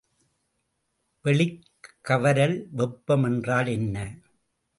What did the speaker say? வெளிக்கவரல் வெப்பம் என்றால் என்ன?